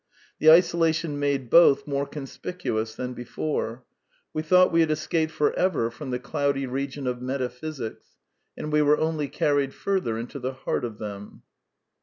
The isolation made both more conspicuous than before. We thought we had escaped for ever from the cloudy 1 6 The Quintessence of Ibsenism region of metaphysics ; and we were only carried further into the heart of them.